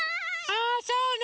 あそうね。